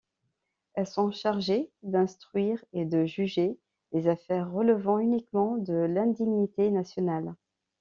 Elles sont chargées d’instruire et de juger les affaires relevant uniquement de l’indignité nationale.